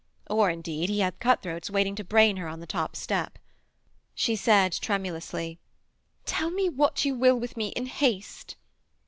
Or, indeed, he had cut throats waiting to brain her on the top step. She said tremulously: 'Tell me what you will with me in haste!'